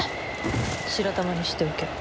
白玉にしておけ。